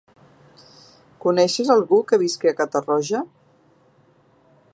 Coneixes algú que visqui a Catarroja?